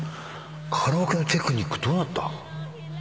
カラオケのテクニックどうなった？